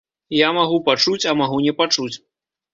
Я магу пачуць, а магу не пачуць.